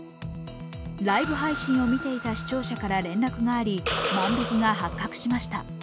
ライブ配信を見ていた視聴者から連絡があり万引きが発覚しました。